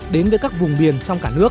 đến với các vùng biển trong cả nước